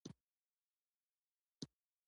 نیم ساعت وروسته پېټرا ته ورسېدو.